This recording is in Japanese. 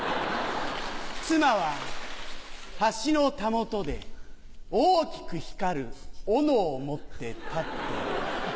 妻は橋のたもとで大きく光るオノを持って立っている。